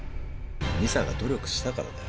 美沙が努力したからだよ。